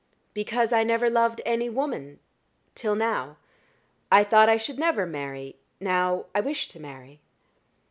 "Because I never loved any woman till now. I thought I should never marry. Now I wish to marry."